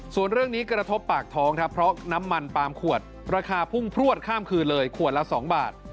ส่วนเรื่องนี้กระทบปากท้องครับเพราะน้ำมันปาล์มขวดราคาพุ่งพลวดข้ามคืนเลยขวดละ๒บาท